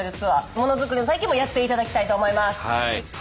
ものづくりの体験もやっていただきたいと思います。